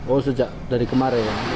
oh sejak dari kemarin